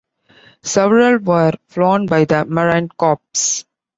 Several were flown by the Marine Corps.